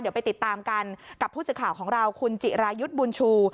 เดี๋ยวไปติดตามกันกับผู้สื่อข่าวของเราคุณจิรายุทธ์บุญชู